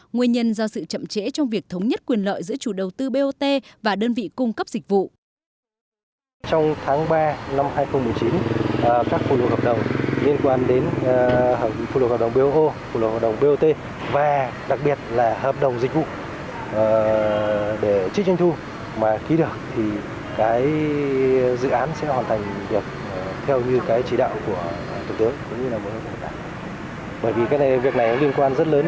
nguyên nhân do sự chậm trễ trong việc thống nhất quyền lợi giữa chủ đầu tư bot và đơn vị cung cấp dịch vụ